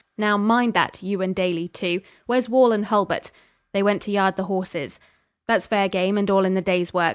Now, mind that, you and Daly too. Where's Wall and Hulbert?' 'They went to yard the horses.' 'That's fair game, and all in the day's work.